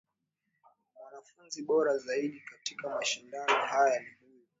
Mwanafunzi bora zaidi katika mashindano haya ni huyu.